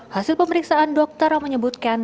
hasil pemeriksaan dokter menyebutkan